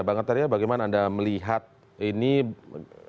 bang arteria bagaimana anda melihat ini apa namanya walaupun bamus itu